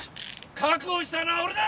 確保したのは俺だ！